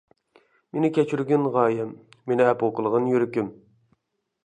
مېنى كەچۈرگىن غايەم، مېنى ئەپۇ قىلغىن يۈرىكىم!